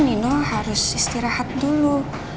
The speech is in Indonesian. nino harus istirahat dulu